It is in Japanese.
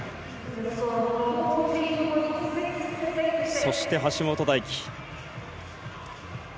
そして、橋本大輝。